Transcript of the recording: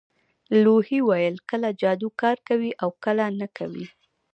لوحې ویل کله جادو کار کوي او کله نه کوي